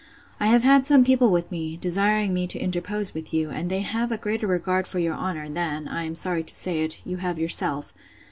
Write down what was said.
I have had some people with me, desiring me to interpose with you; and they have a greater regard for your honour, than, I am sorry to say it, you have yourself.